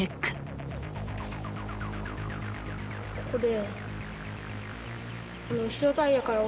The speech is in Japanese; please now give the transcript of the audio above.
ここで。